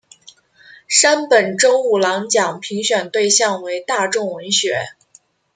山本周五郎奖评选对象为大众文学。